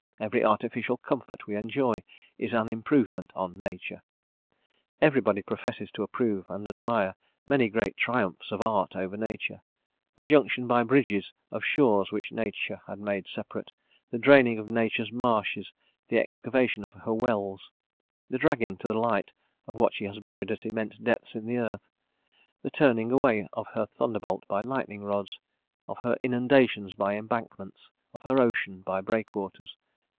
Every artificial comfort we enjoy is an improvement on nature. Everybody professes to approve and admire many great triumphs of art over nature: the junction by bridges of shores which nature had made separate, the draining of nature's marshes, the excavation of her wells, the dragging to light of what she has buried at immense depths in the earth, the turning away of her thunderbolts by lightning rods, of her inundations by embankments, of her ocean by breakwaters.